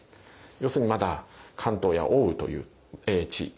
要するにまだ関東や奥羽という地域。